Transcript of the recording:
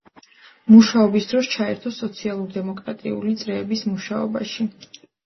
მუშაობის დროს ჩაერთო სოციალ-დემოკრატიული წრეების მუშაობაში.